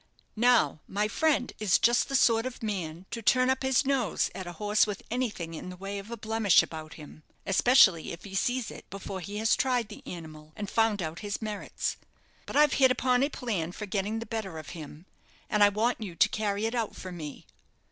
"Now, my friend is just the sort of man to turn up his nose at a horse with anything in the way of a blemish about him, especially if he sees it before he has tried the animal, and found out his merits. But I've hit upon a plan for getting the better of him, and I want you to carry it out for me."